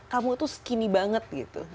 kamu tuh skinny banget gitu